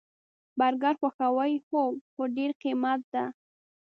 برګر خوښوئ؟ هو، خو ډیر قیمته ده